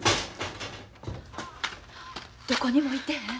どこにもいてへん？